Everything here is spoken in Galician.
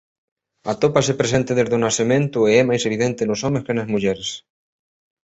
Atópase presente desde o nacemento e é máis evidente nos homes que nas mulleres.